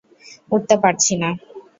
উঠতে পারছি না।